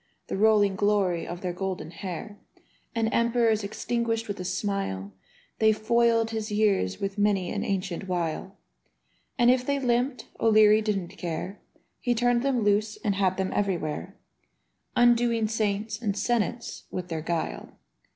The rolling glory of their golden hair, And emperors extinguished with a smile. They foiled his years with many an ancient wile, And if they limped, O'Leary didn't care: He turned them loose and had them everywhere, Undoing saints and senates with their guile.